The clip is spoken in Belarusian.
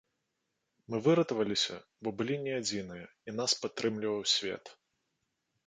Мы выратаваліся, бо былі не адзіныя і нас падтрымліваў свет.